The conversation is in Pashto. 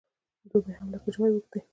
دوبی هم لکه ژمی اوږد دی .